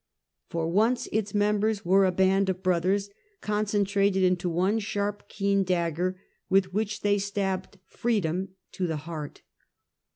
For once its members were a band of broth ers, concentrated into one sharp, keen dagger, with which they had stabbed Freedom to the heart.